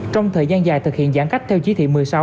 trong thời gian dài thực hiện giãn cách theo chí thị một mươi sáu